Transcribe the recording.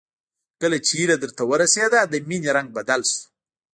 کله چې هيله دلته ورسېده د مينې رنګ بدل شو